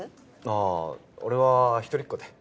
あぁ俺は一人っ子で。